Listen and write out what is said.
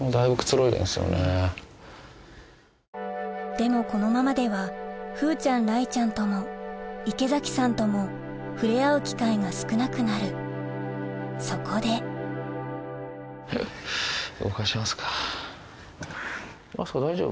でもこのままでは風ちゃん雷ちゃんとも池崎さんとも触れ合う機会が少なくなるそこで明日香大丈夫？